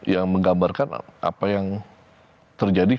yang menggambarkan apa yang terjadi